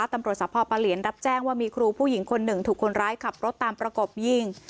สภาพปะเหลียนรับแจ้งว่ามีครูผู้หญิงคนหนึ่งถูกคนร้ายขับรถตามประกบยิง